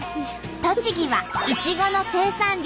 栃木はいちごの生産量